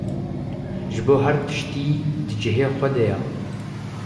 ji bo her tiştî di cihê xwe de ye.